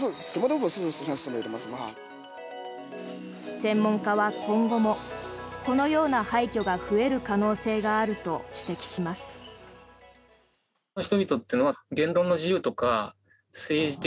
専門家は今後もこのような廃虚が増える可能性があると指摘します。